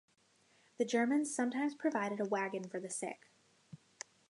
The Germans sometimes provided a wagon for the sick.